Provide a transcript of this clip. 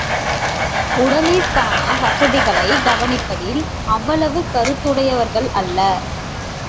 உடலிற்கான வசதிகளைக் கவனிப்பதில் அவ்வளவு கருத்துடையவர்கள் அல்லர்.